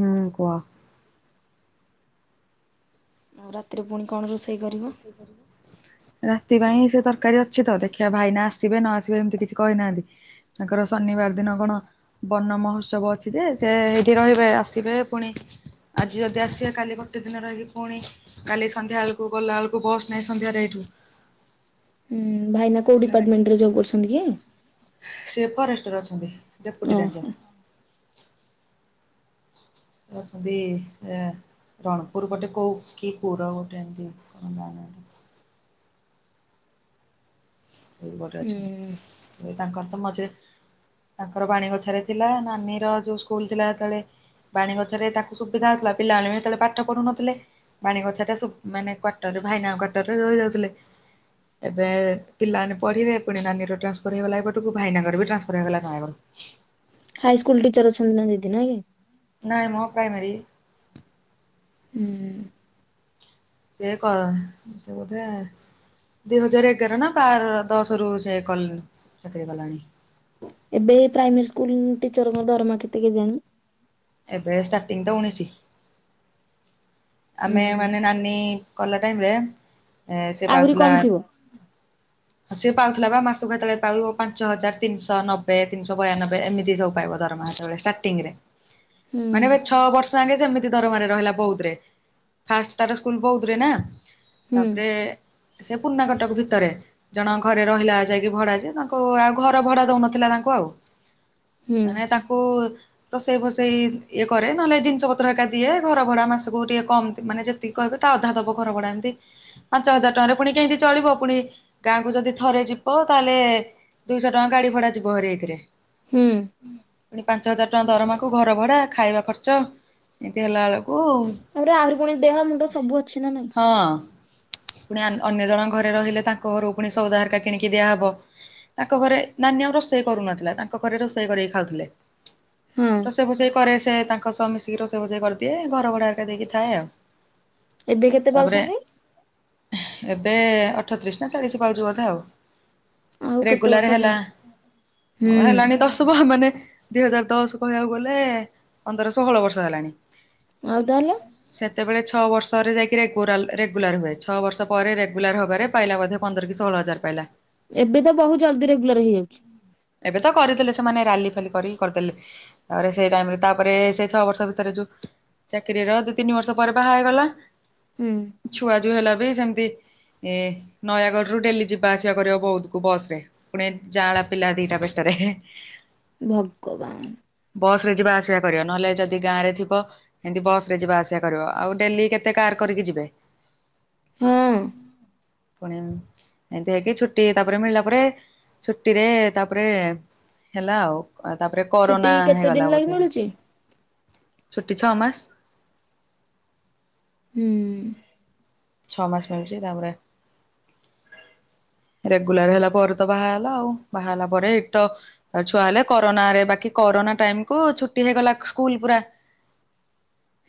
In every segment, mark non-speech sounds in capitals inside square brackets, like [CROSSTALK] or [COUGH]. ହୁଁ କୁହ। ଆଉ ରାତିରେ ପୁଣିି [UNINTELLIGIBLE] ରାତି ପାଇଁ ସେ ତରକାରୀ ଅଛି ତ ଦେଖିବା ଭାଇନା ଆସିବେ ନ ଆସିବେ ଏମିତି କିଛି କହିନାହାନ୍ତି। ତାଙ୍କର ଶନିବାର ଦିନ କଣ ବର୍ଣ ମହୋତ୍ସବ ଅଛି ଯେ ସେ ଏଇଠି ରହିବେ ଆସିବେ ପୁଣି। ଆଜି ଯଦି ଆସିବା କାଲି ଗୋଟେ ଦିନ ରହିକି ପୁଣି କାଲି ସନ୍ଧ୍ୟା ବେଳକୁ ଗଲା ବେଳକୁ ବସ୍ ନାଇଁ ସନ୍ଧ୍ୟାରେ ଏଇଠୁ। ହୁଁ ଭାଇନା କୋଉ ଡିପାର୍ଟମେଣ୍ଟରେ ଜବ୍ କରୁଛନ୍ତି କି? ସେଏ ଫରେଷ୍ଟର ଅଛନ୍ତି ଡେପୁଟି ରେଞ୍ଜର। ଓହୋ। ଅଛନ୍ତି ଏ ରଣପୁର ପଟେ କୋଉ କି ପୁର ଗୋଟେ ଏମିତି [UNINTELLIGIBLE] ଏ ଗୋଟେ ହୁଁ ଅଛନ୍ତି ଏ ତାଙ୍କର ତ ମଝିରେ ତାଙ୍କର ବାଣୀଗୋଛାରେ ଥିଲା, ନାନୀର ଯୋଉ ସ୍କୁଲ ଥିଲା ହେତେବେଳେ ବାଣୀଗୋଛାରେ ତାକୁ ସୁବିଧା ହଉଥିଲା। ପିଲାମାନେ ବି ସେତେବେଳେ ପାଠ ପଢୁନଥିଲେ। ବାଣୀଗୋଛାଟା ମାନେ କ୍ଵାଟରରେ ଭାଇନାଙ୍କ କ୍ୱାଟରରେ ରହି ଯାଉଥିଲେ ଏବେ ପିଲାମାନେ ପଢିବେ ପୁଣି ନାନୀର ଟାନ୍ସଫର ହେଇଗଲା ଏପଟକୁ ପୁଣି ଭାଇନାଙ୍କର ବି ଟ୍ରାନ୍ସଫର ହେଇଗଲା ନୟାଗଡ। ହାଇସ୍କୁଲ ଟିଚର ଅଛନ୍ତି ନା ଦିଦି ନାହିଁ କି। ନାଇଁ ମ ପ୍ରାଇମେରୀ। ହୁଁ। ସେ କ ସେ ବୋଧେ ଦୁଇ ହଜାର ଏଗାର ନା ବାର ଦଶରୁ ସେ କଲେ ଚାକିରି କଲାଣି। ଏବେ ପ୍ରାଇମେରୀ ସ୍କୁଲ ଟିଚରଙ୍କ ଦରମା କେତେ କେଜାଣି। ଏବେ ଷ୍ଟାର୍ଟିଂ ତ ଉନେଇଶୀ। ହୁଁ ଆମେ ମାନେ ନାନୀ କଲା ଟାଇମରେ ସେ ପାଉଥିଲା ହଁ ସିଏ ପାଉଥିଲା ବା ମାସକୁ ହେତବେଳେ ପାଉଥିବ ପାଞ୍ଚ ହଜାର ତିନିଶହ ନବେ ତିନିଶହ ବୟାନବେ ଏମିତି ସବୁ ପାଇବ ଦରମା ହେତେବେଳେ। ଷ୍ଟାର୍ଟିଂରେ। ହ ମାନେ ଏ ଛଅ ବର୍ଷ ଯାକେ ସେମିତି ଧରମାରେ ରହିଲା ବଉଦରେ। ଫାଷ୍ଟ ତାର ସ୍କୁଲ ବଉଦରେ ନା ହୁଁ ତାପରେ ସେ ପୁରୁଣାକଟକ ଭିତରେ ଜଣଙ୍କ ଘରେ ରହିଲା ଯାଇକି ଭଡାରେ ଯେ ତାଙ୍କୁ ଆଉ ଘର ଭଡା ଦଉନଥିଲା ତାଙ୍କୁ ଆଉ। ହୁଁ ମାନେ ତାକୁ ରୋଷେଇ ଫୋସେଇ ଇଏ କରେ ନହେଲେ ଜିନିଷ ପତ୍ର ହେକା ଦିଏ ଘରଭଡା ମାସକୁ ଟିକେ କମ୍ ମାନେ ଯେତିକି କହିବେ ତା ଅଧା ଦବ ଘରଭଡ଼ା ଏମତି। ପାଞ୍ଚ ହଜାର ଟଙ୍କାରେ ପୁଣି କେମତି ଚଳିବ ପୁଣି ଗାଁକୁ ଯଦି ଥରେ ଯିବ ତାହେଲେ ଦୁଇଶହ ଟଙ୍କା ଗାଡି ଭଡା ଯିବ ହେରି ଏଇଥିରେ। ହୁଁ। ପୁଣି ପାଞ୍ଚ ହଜାର ଟଙ୍କା ଦରମାକୁ ଘର ଭଡା ଖାଇବା ଖର୍ଚ୍ଚ ଏମିତି ହେଲା ବେଳକୁ [UNINTELLIGIBLE] ପୁଣି ଦେହ ସବୁ ଅଛି ନା ନାଇଁ ହଁ। ପୁଣି ଅନ୍ୟ ଜଣଙ୍କ ଘରେ ରହିଲେ ତାଙ୍କ ଘରକୁ ପୁଣି ସଉଦା ହେରିକା କିଣିକି ଦିଆହବ। ତାଙ୍କ ଘରେ ନାନୀ ଆଉ ରୋଷେଇ କରୁନଥିଲା ତାଙ୍କ ଘରେ ରୋଷେଇ କରିକି ଖାଉଥିଲେ। ହଁ ରୋଷେଇ ଫୋଷେଇ କରେ ସେ ତାଙ୍କ ସହ ମିଶିକି ରୋଷେଇ ଭୋଜେଇ କରିଦିଏ ଘର ଭଡାରେ ଦେଇକି ଥାଏ ଆଉ। ଏବେ କେତେ ତାପରେ ପାଉଛନ୍ତି? ଏବେ ଅଠତିରିଶ ନା ଚାଳିଶ ପାଉଛି ବୋଧେ ଆଉ। ଆଉ କେତେ ବର୍ଷ ରେଗୁଲାର ହେଲା। ପୁଣି ହୁଁ ହେଲାଣି ଦଶ ମାନେ ଦୁଇ ହଜାର ଦଶ କହିବାକୁ ଗଲେ ପନ୍ଦର ଷୋହଳ ବର୍ଷ ହେଲାଣି। ଆଉ ତାହେଲେ? ସେତେବେଳେ ଛଅ ବର୍ଷରେ ଯାଇକି ରେଗୁରାଲ ରେଗୁଲାର ହୁଏ ଛଅ ବର୍ଷ ପରେ ରେଗୁଲାର ହବାରେ ପାଇଲା ବୋଧେ ପନ୍ଦର କି ସୋହଳ ହଜାର ପାଇଲା। ଏବେ ତ ବହୁତ ଜଲ୍ଦି ରେଗୁଲାର ହେଇଯାଉଛି। ଏବେ ତ କରିଦେଲେ ସେମାନେ ରାଲି ଫାଲି କରିକି କରିଦେଲେ। ତାପରେ ସେଇ ଟାଇମ ରେ ତାପରେ ସେଇ ଛଅ ବର୍ଷ ଭିତରେ ଯୋଉ କିରିର ଦୁଇ ତିନି ବର୍ଷ ପରେ ବାହା ହେଇଗଲା। ହୁଁ। ଛୁଆ ଯୋଉ ହେଲା ବି ସେମତି ଏ ନୟାଗଡ ରୁ ଡେଲି ଯିବା ଆସିବା କରିବ ବୌଦକୁ ବସ୍ ରେ। ପୁଣି ଯାଆଁଳା ପିଲା ଦିଟା ପେଟରେ ଏହେ। ଭଗବାନ୍। ବସ୍ ରେ ଯିବା ଆସିବା କରିବ, ନହେଲେ ଯଦି ଗାଁ ରେ ଥିବ ଏମତି ବସ୍ ରେ ଯିବା ଆସିବା କରିବ, ଆଉ ଡେଲି କେତେ କାର୍ କରିକି ଯିବେ। ହଁ ହୁଁ। ପୁଣି ଏମିତି ହେଇକି ଛୁଟି ତାପରେ ମିଳିଲା ପରେ ଛୁଟିରେ ତାପରେ ହେଲା ଆଉ କ ତାପରେ ଛୁଟି କରୋନା କେତେ ଦିନ ହେଇଗଲା ଲାଗି ବୋଧେ, ମିଳୁଛି? ଛୁଟି ଛଅ ମାସ। ହୁଁ। ଛଅ ମାସ ମିଳୁଛି ତାପରେ ରେଗୁଲାର୍ ହେଲାପରେ ତ ବାହାହେଲା ଆଉ, ବାହାହେଲା ପରେ ଏଇଠି ତ ଆଉ ଛୁଆ ହେଲେ କରୋନା ରେ ବାକି କରୋନା ଟାଇମ୍ କୁ ଛୁଟି ହେଇଗଲା କୁ ସ୍କୁଲ ପୁରା।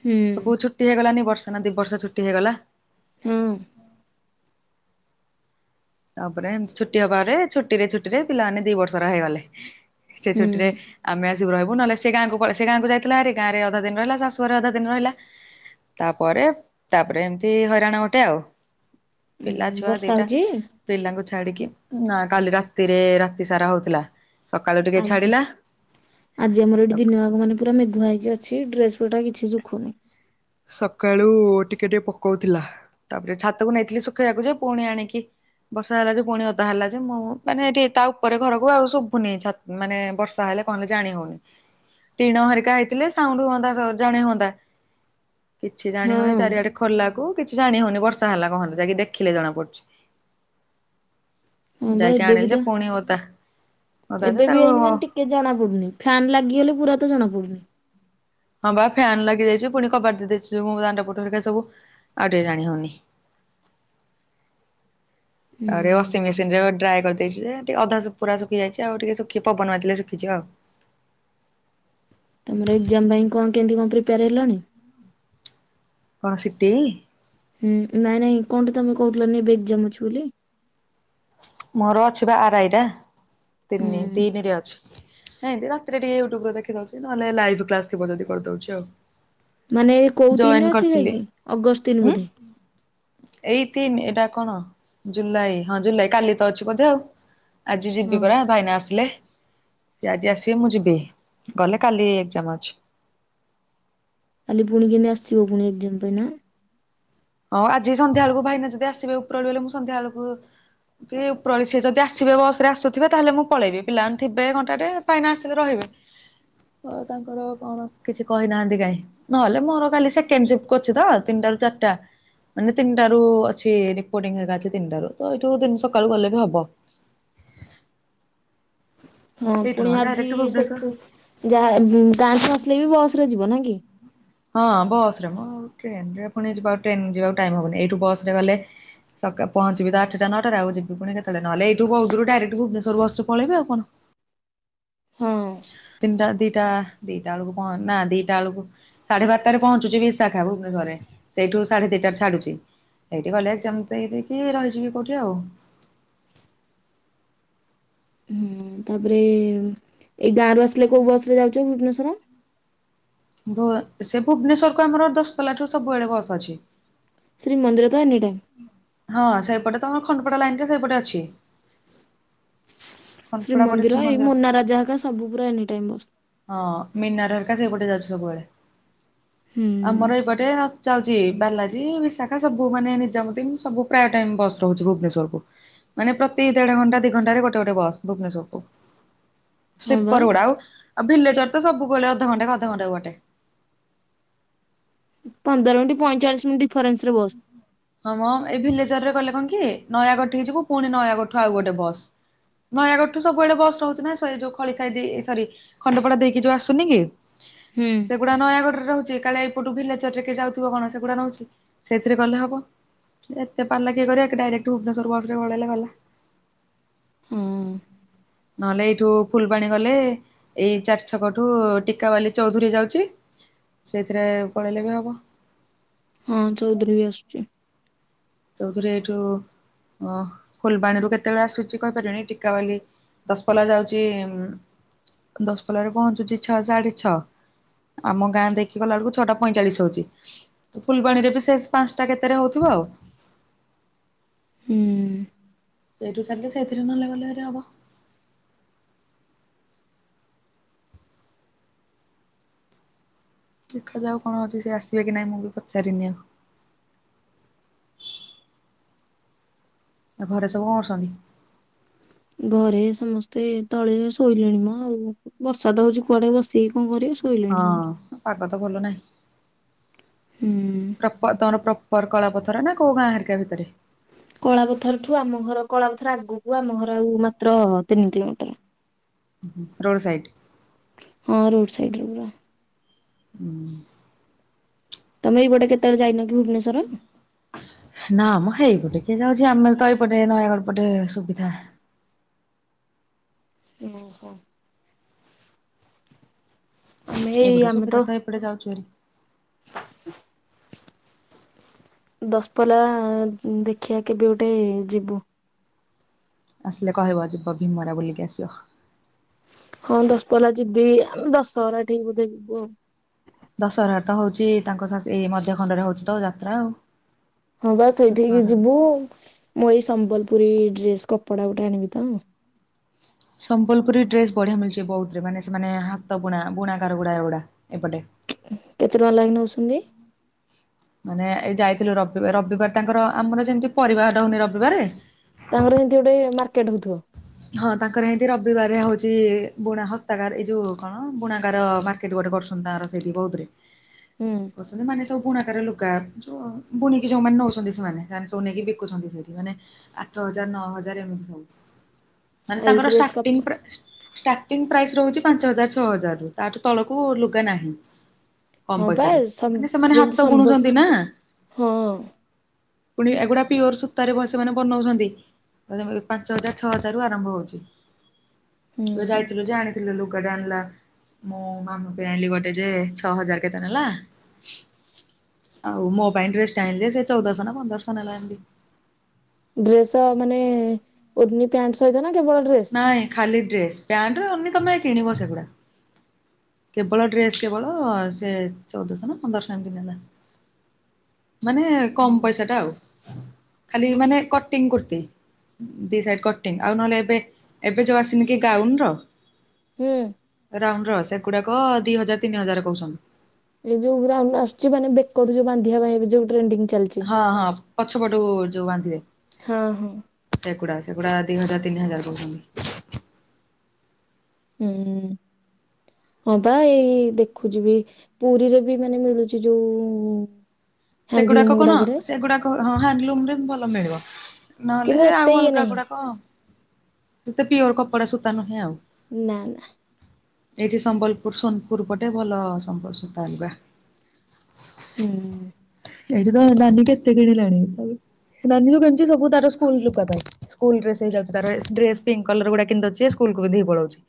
ହୁଁ ସବୁ ଛୁଟି ହେଇଗଲାନି ବର୍ଷେ ନା ଦି ବର୍ଷ ଛୁଟି ହେଇଗଲା। ହଁ। ତାପରେ ଏମିତି ଛୁଟି ହବାରେ ଛୁଟିରେ ଛୁଟିରେ ପିଲାମାନେ ଦି ବର୍ଷର ହେଇଗଲେ, ସେ ଛୁଟିରେ ହୁଁ। ଆମେ ଆସିବୁ ରହିବୁ ନହେଲେ ସେ ଗାଁକୁ ପ ସେ ଗାଁକୁ ଯାଇଥିଲା ହାରି, ଗାଁରେ ଅଧା ଦିନ ରହିଲା ଶାଶୁଘରେ ଅଧା ଦିନ ରହିଲା। ତାପରେ ତାପରେ ଏମତି ହଇରାଣ ଗୋଟେ ଆଉ। ଉଁ ପିଲା ଛୁଆ ବର୍ଷା ଦିଟା ହଉଚି? ପିଲାଙ୍କୁ ଛାଡିକି ନା କାଲି ରାତିରେ ରାତିସାରା ହଉଥିଲା। ସକାଳୁ ଟିକେ ଆଜି ଛାଡିଲା ଆଜି ଆମର ଏଠି ଦିନ ଆଗ ମାନେ ପୁରା ମେଘୁଆ ହେଇକି ଅଛି ଡ୍ରେସ୍ ପଟା କିଛି ଶୁଖୁନି। ସକାଳୁ ଟିକେ ଟିକେ ପକଉଥିଲା ତାପରେ ଛାତକୁ ନେଇଥିଲି ଶୁଖେଇବାକୁ ଯେ ପୁଣି ଆଣିକି ବର୍ଷା ହେଲା ଯେ ପୁଣି ଓଦା ହେଲା ଯେ ମୁଁ ମାନେ ଏଠି ତା ଉପରେ ଘରକୁ ଆଉ ଶୁଭୁନି ଛା ମାନେ ବର୍ଷା ହେଲେ କଣ ହେଲେ ଜାଣି ହଉନି। ଟିଣ ହେରିକା ହେଇଥିଲେ ସାଉଣ୍ଡୁ ହୁଅନ୍ତା ସ ଜାଣି ହୁଅନ୍ତା। କିଛି ଜାଣି ହଁ ହଉନି ଚାରିଆଡେ ଖୋଲାକୁ କିଛି ଜାଣି ହଉନି ବର୍ଷା ହେଲା କଣ ହେଲା, ଯାଇକି ଦେଖିଲେ ଜଣାପଡୁଚି। ହଁ ବା ଯାଇକି ଏବେ ବି ଆଣିଲି ତ ଯେ ପୁଣି ଓଦା, ଓଦା ଯେ ତାକୁ କିଛି ଜଣା ପଡୁନି ଫ୍ୟାନ୍ ଲାଗିଗଲେ ପୁରା ତ ଜଣା ପଡୁନି। ହଁ ବା ଫ୍ୟାନ୍ ଲାଗିଯାଇଚି ପୁଣି କବାଟ ଦେଇ ଦେଇଚି ମୁଁ ଦାଣ୍ଡ ପଟ ହେରିକା ସବୁ, ଆଉ ଟିକେ ଜାଣି ହଉନି। ହୁଁ ଆରେ ୱା ଶିଙ୍ଗ୍ ମେସିନରେ ଡ୍ରାଏ କରିଦେଇଛି ଯେ, ଟିକେ ଅଧା ସୁ ପୁରା ଶୁଖି ଯାଇଚି ଆଉ ଟିକେ ଶୁଖି ପବନ ବାଜିଲେ ଶୁଖିଯିବ ଆଉ। ତୁମର ଏକ୍ଜାମ ପାଇଁ କଣ କେମତି କଣ ପ୍ରିପେୟାର ହେଲଣି? କଣ ସିଟିି? ହୁଁ ନାଇଁ ନାଇଁ କଣଟେ ତମେ କହୁଥିଲ ନି ଏବେ ଏକ୍ଜାମ୍ ଅଛି ବୋଲି? ମୋର ଅଛି ବା ଆର୍ ଆଇ ଟା ତିନି ହୁଁ। ତିନିରେ ଅଛି ଏଇଁତି ର ଟିକେ ୟୁଟୁବରେ ଦେଖୀ ଦଉଚି ନହେଲେ ଲାଇଭ୍ କ୍ଲାସ୍ ଥିବ ଯଦି କରିଦଉଚି ଆଉ। ମାନେ ଏ କୋଉ ତିିନ୍ ଜଏନ୍ ରେ ଅଛି କରିଥିଲି ଯାଇକି ଅଗଷ୍ଟ ତିିନ୍ ଉଁ ବୋଧେ? ଏଇ ତିନି ଏଇଟା କଣ ଜୁଲାଇ ହଁ ଜୁଲାଇ କାଲି ତ ଅଛି ବୋଧେ ଆଉ। ଆଜି ହଁ ଯିବି ପରା ଭାଇନା ଆସିଲେ। ସିଏ ଆଜି ଆସିବେ ମୁଁ ଯିବି, ଗଲେ କାଲି ଏକ୍ଜାମ୍ ଅଛି। କାଲି ପୁଣି କେମିତି ଆସିବ ପୁଣି ଏକ୍ଜମ୍ ପାଇଁ ନା। ହଁ ଆଜି ସନ୍ଧ୍ୟାବେଳକୁ ଭାଇନା ଯଦି ଆସିବେ ଉପରଳିଲେ ମୁଁ ସନ୍ଧ୍ୟାବେଳକୁ କି ଉପରଳି ସିଏ ଯଦି ଆସିବେ ବସରେ ଆସୁଥିବେ ତାହେଲେ ମୁଁ ପଳେଇବି, ପିଲାମାନେ ଥିବେ ଘଣ୍ଟାଟେ ଭାଇନା ଆସିଲେ ରହିବେ। ଅ ତାଙ୍କର କଣ କିଛି କହିନାହାନ୍ତି କାଇଁ। ନହେଲେ ମୋର କାଲି ସେକେଣ୍ଡ ସିଫ୍ଟକୁ ଅଛି ତ ତିନିଟାରୁ ଚାରିଟା। ମାନେ ତିନିଟାରୁ ଅଛି ରିପୋର୍ଟିଙ୍ଗ ହେରିକା ଅଛି ତିନିଟାରୁ ତ ଏଇଠୁ ଦି ସକାଳୁ ଗଲେ ବି ହବ। ହଁ ଏଇଠୁ ପୁଣି ନହେଲେ ଆଜି ଡାଇରେକ୍ଟ ଭୁବନେଶ୍ୱର। ସେଠୁ ଯାହା ଗାଁଠୁ ଆସିଲେ ବି ବସରେ ଯିବ ନାଁ କି? ହଁ ବସ ରେ ମୁଁ ଟ୍ରେନ ରେ ପୁଣି ଯିବା ଟ୍ରେନ ଯିବାକୁ ଟାଇମ ହବନି ଏଇଠୁ ବସ ରେ ଗଲେ ସକା ପହଞ୍ଚିବି ତ ଆଠଟା ନଅଟାରେ ଆଉ ଯିବି ପୁଣି କେତେଳେ ନହେଲେ ଏଇଠୁ ବହୁଦୂରୁ ଡାଇରେକ୍ଟ ଭୁବନେଶ୍ୱର ବସ୍ ରୁ ପଳେଇବି ଆଉ କଣ। ହଁ। ତିନଟା ଦିଟା ଦିଟା ବେଳକୁ କହ ନା ଦିଟା ବେଳକୁ ସାଢେ ବାରଟାରେ ପହଞ୍ଚୁଛି ବିଶାଖା ଭୁବନେଶ୍ୱରରେ ସେଇଠୁ ସାଢେ ଦିଟ ଛାଡୁଛି। ଏଇଠି ଗଲେ ଯେମିତି ହେ ଦେଇକି ରହିଯିବି କୋଉଠି ଆଉ। ହୁଁ ତାପରେ ଏଇ ଗାଁ ରୁ ଆସିଲେ କୋଉ ବସ୍ ରେ ଯାଉଛ ଭୁବନେଶ୍ଵର? ଭୁବ ସେ ଭୁବନେଶ୍ଵର କୁ ଆମର ଦଶପଲା ଠୁ ସବୁବେଳେ ବସ ଅଛି। ଶ୍ରୀ ମନ୍ଦିର ତ ଏନି ଟାଇମ୍। ହଁ ସେଇପଟେ ତମର ଖଣ୍ଡପଟା ଲାଇନ ରେ ସେଇପଟେ ଅଛି। ଖଣ୍ଡପଡା ପଟେ ଶ୍ରୀମନ୍ଦିର ଏଇ ମୋନା ରାଜା ହଙ୍କା ସବୁ ପୁରା ଏନି ଟାଇମ ବସ। ହଁ ମିନାର ହରିକା ସେପଟେ ଯାଉଛି ସବୁବେଳେ ହୁଁ ଆମର ଏଇପ ଗଟେ ଯାଉଛି ବାଲାଜୀ ବିଶାଖା ସବୁ ମାନେ ନିଜାମତି ସବୁ ପ୍ରାୟ ଟାଇମ ବସ୍ ରହୁଛି ଭୁବନେଶ୍ଵର କୁ। ମାନେ ପ୍ରତି ଦେଢ ଘଣ୍ଟା ଦି ଘଣ୍ଟାରେ ଗୋଟେ ଗୋଟେ ବସ୍ ଭୁବନେଶ୍ୱର କୁ। ହଁ ବା ସ୍ଲିପର ଗୁଡା ଆଉ ଆଉ ଭିଲେଚର ତ ସବୁବେଳେ ଅଧଘଣ୍ଟା ଅଧଘଣ୍ଟା କୁ ଗୋଟେ। ପନ୍ଦର ମିନିଟ ପଇଚାଳିଶ ମିନିଟ ଡିଫନ୍ସରେ ହଁ ମ ଏଇ ଭିଲେଜର ରେ କଲେ କଣ କି ନୟାଗଡ ହେଇଯିବୁ ପୁଣି ନୟାଗଡ଼ଠୁ ଆଉ ଗୋଟେ ବସ୍। ନୟାଗଡ଼ଠୁ ସବୁବେଳେ ବସ୍ ରହୁଛି ନା ସେ ଯୋଉ ଖଳି ଖାଇ ଦେଇ ସରି ଖଣ୍ଡପଡା ଦେଇକି ଯୋଉ ଆସୁନି କି ହୁଁ। ସେଗୁଡା ନୟାଗଡ ରେ ରହୁଛି କାଳେ ଏଇପଟୁ ଭିଲାଚର ରେ କେଇ ଯାଉଥିବ କଣ ସେଗୁଡା ରହୁଛି ସେଥିରେ ଗଲେ ହବ। ଏତେ ପାଲା କିଏ କରିବ ଏ ଡାଇରେକ୍ଟ ଭୁବନେଶ୍ୱର ବସ୍ ରେ ପଳେଇଲେ ଗଲା। ହ୍ମୁ। ନହେଲେ ଏଇଠୁ ଫୁଲ୍ବାଣି ଗଲେ ଏଇ ଚାରି ଛକ ଠୁ ଟିକାବାଲି ଚୌଧୁରୀ ଯାଉଛି ସେଇଥିରେ ପଳେଇଲେ ବି ହବ। ହଁ ଚୌଧୁରୀ ବି ଆସୁଛି। ଚୌଉଥିରି ଏଇଠୁ ଅ ଫୁଲବାଣୀରୁ କେତେବେଳେ ଆସୁଛି କହିପାରିବନି ଟିକାବାଲି ଦଶପଲା ଯାଉଛି ଦଶପଲାରେ ପହଞ୍ଚୁଛି ଛଅ ସାଢେ ଛଅ ଆମ ଗାଁ ଦେଖି ଗଲା ବେଳକୁ ଛଅଟା ପଇଁଚାଳିଶ୍ ହଉଛି। ଫୁଲବାଣୀରେ ବି ସେଷ ପାଞ୍ଚଟା କେତେ ରେ ହଉଥିବ ଆଉ। ହୁଁ। ସେଇଠୁ ସାରିଲି ସେଥିରେ ନହେଲେ ଗଲେହେରି ହବ। ଦେଖାଯାଉ କଣ ହଉଛି ସେ ଆସିବେ କି ନାଇଁ ମୁଁ ବି ପଚାରିନି ଆଉ। ଆ ଘରେ ସବୁ କଣ କରୁଛନ୍ତି? ଘରେ ସମସ୍ତେ ତଳେ ଶୋଇଲେଣି ମ ଆଉ। ବର୍ଷାତ ହଉଛି କୁଆଡେ ବସିକି କଣ କରିବା ଶୋଇଲେଣି ଶ ହଁ ପାଗ ତ ଭଲ ନାହିଁ। ହୁଁ ତମର ପ୍ରପର କଳା ପଥର ନା କୋଉ ଗାଁ ହେରୀକା ଭିତରେ? କଳାପଥରଠୁ ଆମ ଘର କଳାପଥର ଆଗକୁ ଆମ ଘର ଆଉ ମାତ୍ର ତିନି କିଲୋମିଟର। ରୋଡ ସାଇଡ୍ ହଁ ରୋଡ଼ ସାଇଡ ର ପରା। ହୁଁ ତମ ଏଇପଟେ କେତେଳେ ଯାଇନ କି ଭୁବନେଶ୍ୱର? ନା ମୁଁ ହେଇପଟେ କିଏ ଯାଉଛି ଆମେ ତ ଏଇପଟେ ନୟାଗଡ଼ ପଟେ ସୁବିଧା। ଓହୋ ଆମେ ଏଇ ଏପଟେ ଆମେ ସୁବିଧା ତ ଏପଟେ ଯାଉଛୁ ହେରି। ଦଶପଲା ଦେଖିବା କେବେ ଗୋଟେ ଯିବୁ। ଆସିଲେ କହିବ ଯିବା ଭୀମରା ବୁଲିକି ଆସ। ହଁ ଦଶପଲ୍ଲା ଯିବି ଆମେ ଦଶହରା ଠିକ ବୋଧେ ଯିବୁ ଆଉ। ଦଶହରା ତ ହଉଛି ତାଙ୍କ ଏଇ ମଧ୍ୟ ଖଣ୍ଡରେ ହଉଛି ତ ଯାତ୍ରା ଆଉ। ହଁ ବା ସେଇଠିକି ଦଶହରା। ଯିବୁ। ମୁଁ ଏଇ ସମ୍ବଲପୁରୀ ଡ୍ରେସ କପଡା ଗୋଟେ ଆଣିବି ତ। ସମ୍ବଲପୁରୀ ଡ୍ରେସ ବଢିଆ ମିଳୁଛି ବୌଦରେ ମାନେ ସେମାନେ ହାତ ବୁଣା ବୁଣାକାର ଗୁଡା ଏଗୁଡା ଏପଟେ। କେତେ ଟଙ୍କା ଲାଗି ନେଉଛନ୍ତି? ମାନେ ଏଇ ଯାଇଥିଲୁ ରବିବାର ରବିବାର ତାଙ୍କର ଆମର ଯେମିତି ପରିବିବାଟା ହଉନି ରବିବାର। ତାଙ୍କର ହେନ୍ତୀ ଗୋଟେ ମାର୍କେଟ ହଉଥିବ। ହଁ ତାଙ୍କର ହେନ୍ତି ରବିବାର ହଉଛି ବୁଣା ହତାକାରା ଏଇ ଯୋଉ କଣ ବୁଣାକାର ମା ଗୋଟେ କରୁଛନ୍ତି ତାର ସେଇଠି ବୋଧରେ ହୁଁ କରୁଛନ୍ତି ମାନେ ସବୁ ବୁଣାକାରରେ ଲୁଗା। ବୁଣିିକି ଯୋଉ ମାନ ନଉଚନ୍ତି ସେମାନେ ସନେ କି ବିକୁଚନ୍ତି ସେମାନେ। ଆଠ ହଜାର ନଅ ହଜାର ଏମିତି ସବୁ ମାନେ ଏଇ ତାଙ୍କର ଡ୍ରେସ କପ ଷ୍ଟାର୍ଟି ପୁରା। ଷ୍ଟାର୍ଟିଂ ପ୍ରାଇସ୍ ରହୁଛି ପାଞ୍ଚ ହଜାର, ଛଅ ହଜାର ତାଠୁ ତଳକୁ ଲୁଗା ନାହିଁ। କମ ହଁ ବା ପଇସାରେ ସମ୍ ମାନେ ସେମାନେ ଯେମିତି ହାତ ସମ୍ବଲ ବୁଣୁଛନ୍ତି ନା। ହଁ ପୁଣି ଏଗୁଡା ପିଓର ସୂତାରେ ସେମାନେ ବନାଉଛନ୍ତି ପାଞ୍ଚ ହଜାର ଛଅହଜାରୁ ଆରମ୍ଭ ହଉଛି ତ ହୁଁ। ଯାଇଥିଲୁ ଯେ ଆଣିଥିଲୁ ଲୁଗଟା ଆଣିଲା। ମ ମାମା ପାଇଁ ଆଣିଲି ଗୋଟେ ଯେ ଛଅ ହଜାର କେତେ ନେଲା? ଆଉ ମୋ ପାଇଁ ଡ୍ରେଷ୍ଟ ଆଣି ଯେ ସେ ଚଉଦଶହ ନା ପନ୍ଦରଶହ ନେଲା ଏମିତି। ଡ୍ରେସ ମାନେ ଉନି ପ୍ୟାଣ୍ଟ ସହିତ ନା କେବଳ ଡ୍ରେସ? ନାଇଁ ଖାଲି ଡ୍ରେସ ପ୍ୟାଣ୍ଟରେ ଅନି ତମେ କିଣିବ ସେଗୁଡା। କେବଳ ଡ୍ରେସ୍ କେବଳ ସେ ଚଉଦଶହ ନା ପନ୍ଦରଶହ ଏମିତି ନେଲା। ମାନେ କମ ହୁଁ। ପଇସା ଟା ଆଉ ଖାଲି ମାନେ କଟିଂ କୁର୍ତି। ଦି ସାଇଡ କଟିଂ ଆଉ ନହେଲେ ଏବେ ଏବେ ଯୋଉ ଆସିନି କି ଗାଉନ ର। ହୁଁ। ରାଉଣ୍ଡ ର ସେଗୁଡାକ ଦି ହଜାର ତିନି ହଜାର କହୁଛନ୍ତି। ଏଇ ଯୋଉ ଗ୍ରାଉଣ୍ଡ ଆସଛି ମାନେ ବେକଯୋଉ ବାନ୍ଧିବା ପାଇଁ ଯଉ ଟ୍ରେଣ୍ଡିଙ୍ଗ ଚାଲିଛି। ହଁ ହଁ ପଛ ପଟୁକୁ ଏ ଯୋଉ ବାନ୍ଧିବେ ହଁ ହଁ ସେଗୁଡା ସେଗୁଡା ଦି ହଜାର ତିନି ହଜାର କହୁଛନ୍ତି। ହୁଁ ହଁ ବା ଏଇ ଦେଖୁଛିିବ। ପୁରୀରେ ବି ମାନେ ମିଳୁଛି ଯୋଉ। ହ୍ୟାଣ୍ଡଲୁମ ସେଗୁଡାକ କଣ ଗୁଡାକରେ ସେଗୁଡାକ ହଁ ହ୍ୟାଣ୍ଡଲୁମ୍ ରେ ଭଲ ମିଳିବ। କିନ୍ତୁ ନହେଲେ ଏତେ ଆଉ ଇଏ ଅଲଗା ନାହିଁ। ଗୁଡାକ। ସେତେ ପ୍ୟୁଓର କପଡ଼ା ସୁତା ନୁହେଁ ଆଉ। ନା ନା। ଏଇଠି ସମ୍ବଲପୁର ସୋନପୁର ପଟେ ଭଲ ସମ୍ବଲସୁତା ଆଣିବା। ହୁଁ। ଏଇଠି ତ ନାନୀ କେତେ କିଣିଲାଣି ନାନୀ ଯୋଉ କିଣିଛି ସବୁ ତାର ସ୍କୁଲ୍ ଲୁଗା ଥାଏ। ସ୍କୁଲ ଡ୍ରେସ୍ ହେଇଯାଉଛି ତାର ଏଠି ଡ୍ରେସ୍ ପିଙ୍କ୍ କଲର ଗୁଡା କିଣିଦୋଉଛି ସ୍କୁଲକୁ ପିନ୍ଧିକି ପଳୋଉଛି।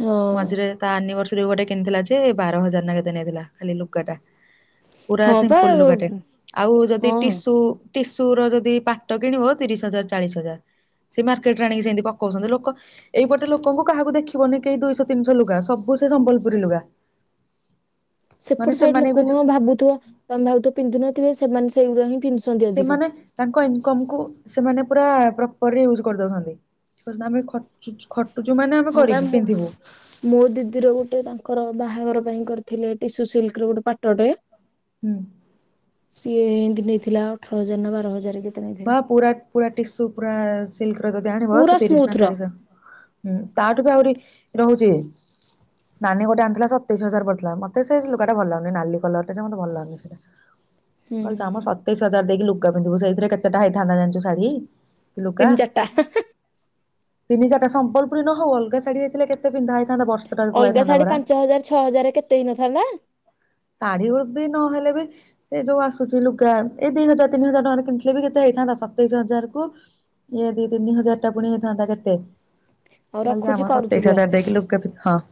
ହଁ ମଝିରେ ତା ଆନିଭର୍ସରୀ ଗୋଟେ କିଣିଥିଲା ଯେ ବାର ହଜାର ନା କେତେ ନେଇଥିଲା ଖାଲି ଲୁଗା ଟା? ପୁରା ହଁ ପା ସିମ୍ପୁଲ୍ ଲୁଗାଟେ। ଆଉ ଯଦି ହଁ। ଟିସୁ। ଟିସୁ ର ଯଦି ପାଟ କିଣିବ ତିରିଶ ହଜାର, ଚାଳିଶ ହଜାର। ସେ ମାର୍କେଟ ରେ ଆଣିକି ସେମିତି ପକଉଛନ୍ତି ଲୋକ। ଏଇପଟେ ଲୋକଙ୍କୁ କାହାକୁ ଦେଖିବନି? କେହି ଦୁଇଶହ ତିନିଶହ ଲୁଗା। ସବୁ ସେ ସମ୍ବଲପୁରୀ ଲୁଗା। ମାନେ ସେପଟ ସାଇଡ୍ ସେମାନେ ବି ଲୋକ ଯୋଉ ନୁହେଁ ଭାବୁଥିବ ତମେ ଭାବୁଥିବ ପିନ୍ଧୁ ନଥିବେ ସେମାନେ ସେଇରା ହିଁ ପିନ୍ଧୁ। ସେମାନେ। ତାଙ୍କ ଇନକମ୍ କୁ ସେମାନେ ପୁରା ପ୍ରପରେ ୟୁଜ୍ କରିଦଉଛନ୍ତି କହୁଛନ୍ତି ଆମେ ଖ। ଖଟୁଛୁ ମାନେ ଆମେ ହଁ ବା କରିବୁ ମୁଁ ପିନ୍ଧିବୁ। ମୋ ଦିଦିର ଗୋଟେ ତାଙ୍କର ବାହାଘର ପାଇଁ କରିଥିଲେ ଟିସୁ ସିଲ୍କ ର ଗୋଟେ ପାଟଟେ। ହୁଁ। ସିଏ ଏମିତି ନେଇଥିଲା ଅଠର ହଜାର ନା ବାର ହଜାର କେ। ବା ପୁରା ପୁରା ଟିସୁ ପୁରା ସିଲକ ର ଯଦି ଆଣିବ ପୁରା ସେ ତିରିଶ ସ୍ମୁଥ ନା ର ଚାଳିଶ ହଜାର। ହୁଁ, ତାଠୁ ବି ଆହୁରି ରହୁଛି। ନାନୀ ଗୋଟେ ଆଣିଥିଲା ସତେଇଶି ହଜାର ପଡିଥିଲା ମତେ ସେ ଲୁଗାଟା ଭଲ ଲାଗୁନି ନାଲି କଲର ଟା ଯେ ମୋତେ ଭଲ ଲାଗୁନି ସେଟା। ଟ [INAUDIBLE] କଣ କାମ ଆମ ସତେଇଶ ହଜାର ଦେଇକି ଲୁଗା ପିନ୍ଧିବୁ ସେଇଥିରେ କେତେଟା ହେଇଥାନ୍ତା ଜାଣିଛୁ ଶାଢୀ। ଲୁଗା ତିନି ଚାରିଟା ତିନି ଚାରିଟା ସମ୍ବଲପୁରୀ ନ ହଉ ଅଲଗା ଶାଢ଼ି ହେଇଥିଲେ କେତେ। କେତେ ପିନ୍ଧା ହେଇଥାନ୍ତା ବର୍ଷ ଟା ଅଲଗା ପଳେଇଥାନ୍ତା ଶାଢୀ ପରା। ପାଞ୍ଚ ହଜାର ଛଅ ହଜାର କେତେ ହେଇନଥାନ୍ତା ଶାଢୀ ବି ନହେଲେ ବି ଏ ଯୋଉ ଆସୁଛି ଲୁଗା ଏଇ ଦି ହଜାର ତିନି ହଜାର ଟଙ୍କାରେ କି। ସିଏବି କେତେ ହେଇଥାନ୍ତା ସତେଇଶି ହଜାର କୁ ଇଏ ଦି ତିନି ହଜାର ଟା ପୁଣି ହେଇଥାନ୍ତା କେତେ। ହଉ ରଖୁଛି କରୁଛି ସତେଇସି ରୁହ। ହଜାର ଦେଇକି ଲୁଗା ପିନ୍ଧିବୁ ହଁ।